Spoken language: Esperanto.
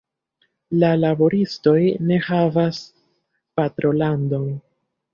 La laboristoj ne havas patrolandon.